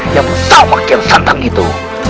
yang bersama kira satan itu